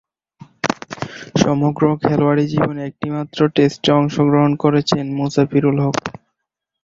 সমগ্র খেলোয়াড়ী জীবনে একটিমাত্র টেস্টে অংশগ্রহণ করেছেন মুফাসির-উল-হক।